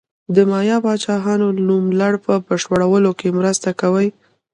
د مایا پاچاهانو نوملړ په بشپړولو کې مرسته کوي.